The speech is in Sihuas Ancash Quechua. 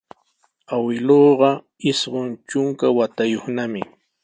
Awkilluuqa isqun trunka watayuqnami.